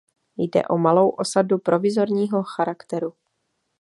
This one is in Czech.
Jde o malou osadu provizorního charakteru.